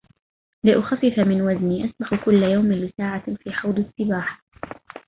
لأخفف من وزني، أسبح كل يوم لساعة في حوض السباحة.